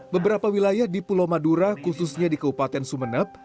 beberapa wilayah di pulau madura khususnya di kabupaten sumeneb